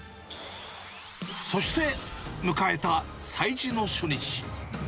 そして、迎えた催事の初日。